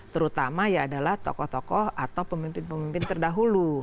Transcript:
terutama ya adalah tokoh tokoh atau pemimpin pemimpin terdahulu